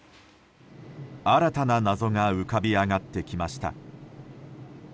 新たな謎が浮かび上がってきました。